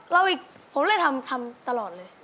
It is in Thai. อีกผมเลยทำตลอดเลย